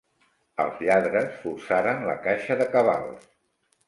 Els lladres forçaren la caixa de cabals.